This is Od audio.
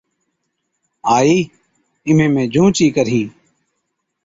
’آئِي اِمهين مين جھُونچ ئِي ڪرهِين‘۔